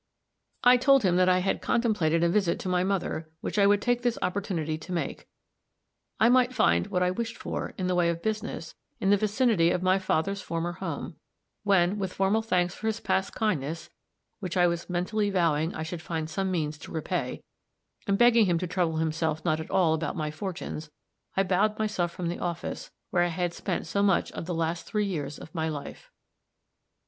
I told him that I had contemplated a visit to my mother, which I would take this opportunity to make. I might find what I wished for, in the way of business, in the vicinity of my father's former home; when, with formal thanks for his past kindness (which I was mentally vowing I would find some means to repay), and begging him to trouble himself not at all about my fortunes, I bowed myself from the office where I had spent so much of the last three years of my life.